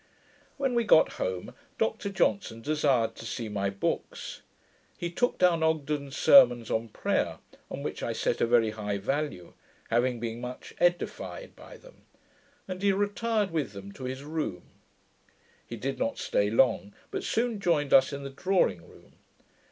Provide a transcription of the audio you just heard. When we got home, Dr Johnson desired to see my books. He took down Ogden's Sermons on Prayer, on which I set a very high value, having been much edified by them, and he retired with them to his room. He did not stay long, but soon joined us in the drawing room.